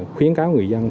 khuyến cáo người dân